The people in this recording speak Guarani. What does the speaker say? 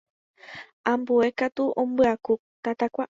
ambue katu ombyaku tatakua.